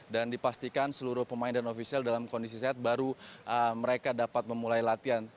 dan juga menginginkan seluruh pemain dan ofisial dalam kondisi sehat baru mereka dapat memulai latihan